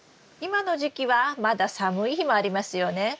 今の時期はまだ寒い日もありますよね。